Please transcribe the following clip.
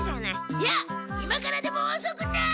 いやっ今からでもおそくない！